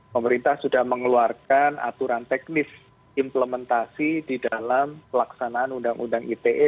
pemerintah sudah mengeluarkan aturan teknis implementasi di dalam pelaksanaan undang undang ite